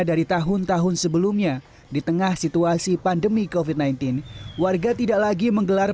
dari tahun tahun sebelumnya di tengah situasi pandemi kofit sembilan belas warga tidak lagi menggelar